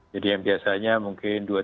jadi yang biasanya mungkin